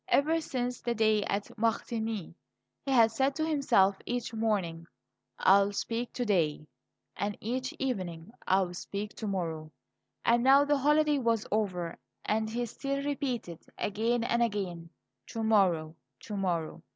Ever since the day at Martigny he had said to himself each morning; "I will speak to day," and each evening: "I will speak to morrow;" and now the holiday was over, and he still repeated again and again: "To morrow, to morrow."